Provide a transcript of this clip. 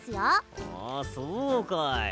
あそうかい。